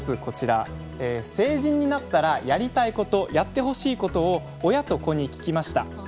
こちら「成人になったらやりたいことやってほしいこと」を親と子に聞きました。